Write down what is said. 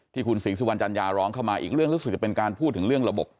ที่คุณศรีสุวรรณจัญญาร้องเข้ามาอีกเรื่องรู้สึกจะเป็นการพูดถึงเรื่องระบบ